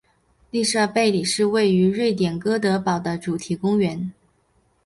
利瑟贝里是位于瑞典哥德堡的主题公园。